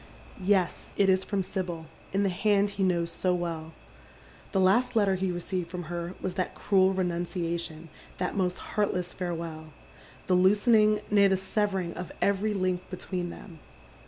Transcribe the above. Yes, it is from Sibyl, in the hand he knows so well. The last letter he received from her was that cruel renunciation, that most heartless farewell— the loosening, nay, the severing of every link between them.